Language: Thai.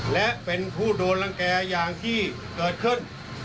และเป็นผู้โดนรังแก่อย่างที่เกิดขึ้น